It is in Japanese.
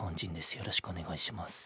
よろしくお願いします。